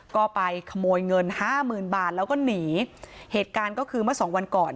ก็ไปขโมยเงินห้าหมื่นบาทแล้วก็หนีเหตุการณ์ก็คือเมื่อสองวันก่อน